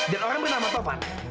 dan orang bernama tovan